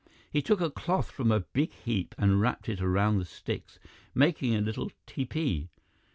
He took a cloth from a big heap and wrapped it around the sticks, making a little tepee.